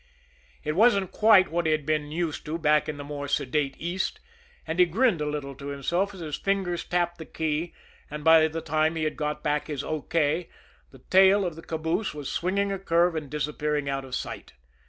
It wasn't quite what he had been used to back in the more sedate East, and he grinned a little to himself as his fingers tapped the key, and by the time he had got back his O. K. the tail of the caboose was swinging a curve and disappearing out of sight.